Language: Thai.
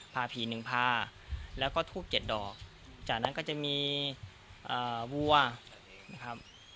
ผ่าผีหนึ่งพาแล้วก็ทูบ๗ดอกจากนั้นก็จะมีวัวนะครับ